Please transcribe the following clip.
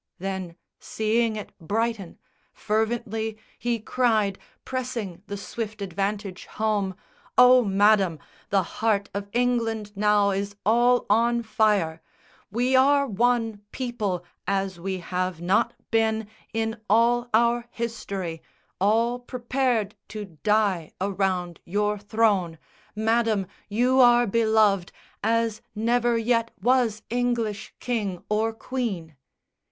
Then, seeing it brighten, fervently he cried, Pressing the swift advantage home, "O, Madam, The heart of England now is all on fire! We are one people, as we have not been In all our history, all prepared to die Around your throne. Madam, you are beloved As never yet was English king or queen!"